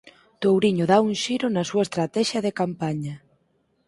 Touriño dá un xiro na súa estratexia de campaña